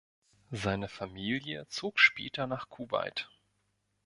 Seine Familie zog später nach Kuwait.